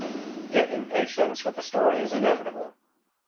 Yet impatience with the story is inevitable.